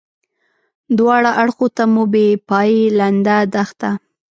دواړه اړخو ته مو بې پایې لنده دښته.